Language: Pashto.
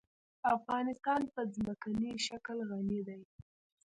افغانستان په ځمکنی شکل غني دی.